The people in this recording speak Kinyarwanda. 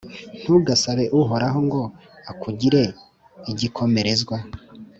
Ntugasabe Uhoraho ngo akugire igikomerezwa,